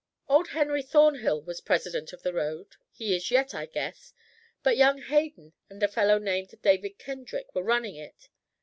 "Old Henry Thornhill was president of the road he is yet, I guess but young Hayden and a fellow named David Kendrick were running it.